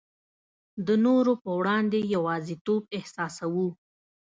د نورو په وړاندي یوازیتوب احساسوو.